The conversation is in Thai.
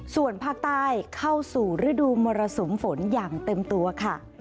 ส่วนภาคใต้เข้าสู่ฤดูมรสุมฝนอย่างเต็มตัวค่ะ